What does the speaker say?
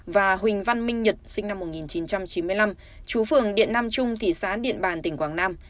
và huỳnh văn minh nhật sinh năm một nghìn chín trăm chín mươi năm chú phường điện nam trung thị xã điện bàn tỉnh quảng nam